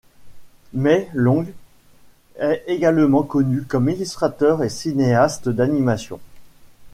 Mai Long est également connu comme illustrateur et cinéaste d'animation.